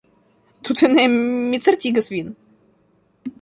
Tute ne, mi certigas vin!